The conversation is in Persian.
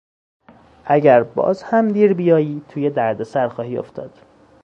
اگر باز هم دیر بیایی توی دردسر خواهی افتاد.